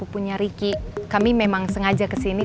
kepupunya riki kami memang sengaja kesini